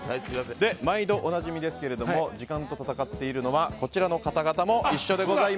毎度おなじみですけれども時間と戦っているのはこちらの方々も一緒です。